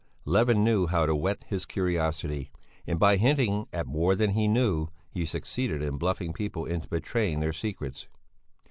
Levin knew how to whet his curiosity; and by hinting at more than he knew, he succeeded in bluffing people into betraying their secrets.